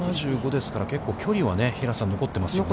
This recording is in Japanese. １７５ですから、結構距離は、平瀬さん、残ってますね。